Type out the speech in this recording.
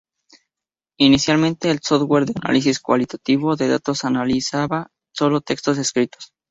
Inicialmente, el software de análisis cualitativo de datos analizaba sólo textos escritos.